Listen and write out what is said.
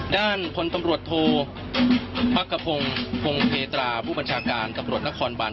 ด้านพลตำรวจโทพักกระพงศ์พงเพตราผู้บัญชาการตำรวจนครบาน